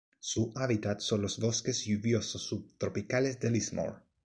Su hábitat son los bosques lluviosos subtropicales de Lismore.